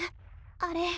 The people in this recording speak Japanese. あれ。